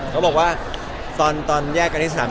เขาบอกว่าตอนแยกกันที่๓๐